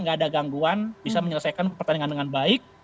tidak ada gangguan bisa menyelesaikan pertandingan dengan baik